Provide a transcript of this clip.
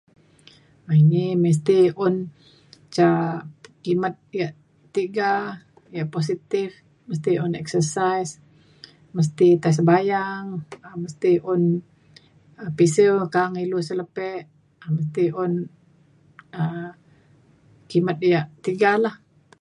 um ini mesti un ca kimet ia' tiga ia' positif mesti un exercise mesti tai sebayang um mesti un pisiu kaang ilu selepek um ti un um kimet ia' tiga lah